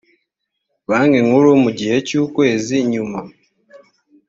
banki nkuru mu gihe cy ukwezi nyuma